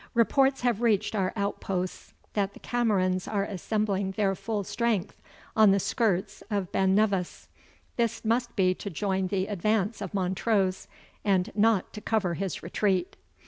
Reports have reached our outposts that the Camerons are assembling their full strength on the skirts of Ben Nevis; this must be to join the advance of Montrose, and not to cover his retreat."